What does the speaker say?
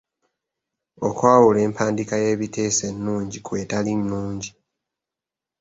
Okwawula empandiika y'ebiteeso ennungi kw'etali nnungi.